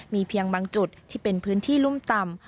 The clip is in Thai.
มีเพียงบางจุดที่เป็นพื้นที่รุ่มต่ำ